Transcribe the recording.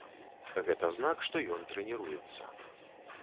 Гэта знак, што ён трэніруецца.